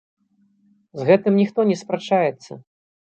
З гэтым ніхто не спрачаецца.